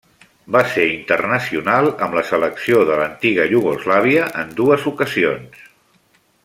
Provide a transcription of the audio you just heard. Va ser internacional amb la selecció de l'antiga Iugoslàvia en dues ocasions.